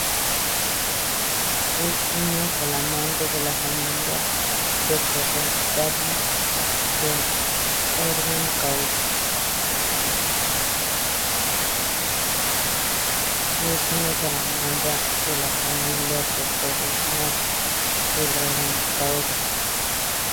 Es una salamandra de la familia "Plethodontidae" del orden Caudata.